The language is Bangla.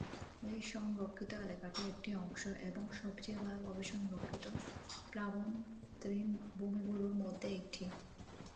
এই সংরক্ষিত এলাকাটি একটি অংশ এবং সবচেয়ে ভালোভাবে সংরক্ষিত প্লাবন-তৃণভূমিগুলোর মধ্যে একটি।